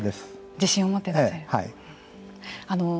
自信を持ってますね。